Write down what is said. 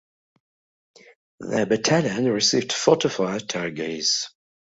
The battalion received forty-five Tiger Is.